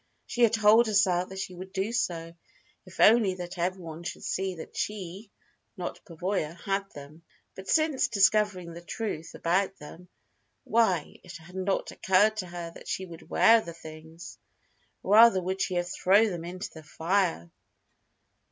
She had told herself that she would do so, if only that everyone should see that she, not Pavoya, had them. But since discovering the truth about them why, it had not occurred to her that she could wear the things! Rather would she have thrown them into the fire.